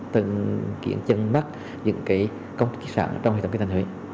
từng kiện chân mắt những cái công ty kỳ sản trong hệ thống kinh thành huế